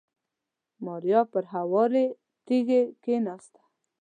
ماريا پر هوارې تيږې کېناسته.